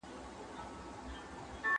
د خیبر لاره باید د ټولو لپاره وي.